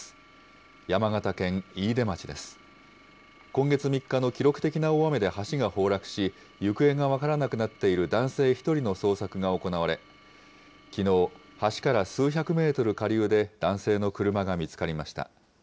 今月３日の記録的な大雨で橋が崩落し、行方が分からなくなっている男性１人の捜索が行われ、きのう、橋から数百メートル下流で、男性の車が見つかりました。